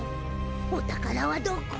おたからはどこ？